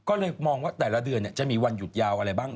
ก็เลยมองว่าแต่ละเดือนจะมีวันหยุดยาวอะไรบ้าง